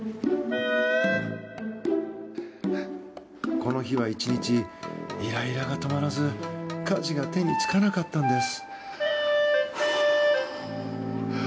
この日は１日イライラが止まらず家事が手につかなかったんです。